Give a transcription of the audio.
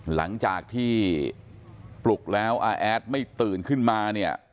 หลังจากที่ปลุกแล้วอาแอดไม่ตื่นขึ้นมาเนี่ย